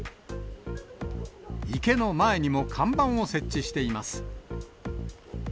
池の前にも看板を設置しています。